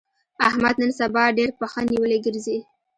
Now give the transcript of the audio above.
احمد نن سبا ډېر پښه نيولی ګرځي.